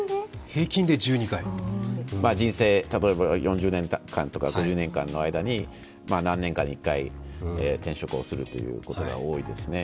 人生、例えば４０年間とか５０年間の間に、何年かに１回、転職をすることが多いですね。